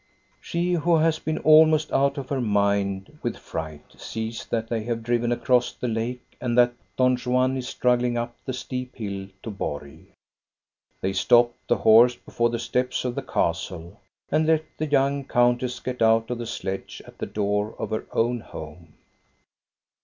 She, who has been almost out of her mind with fright, sees that they have driven across the lake and that Don Juan is struggling up the steep hill to Borg. They stop the horse before the steps of the castle, and let the young countess get out of the sledge at the door of her own home.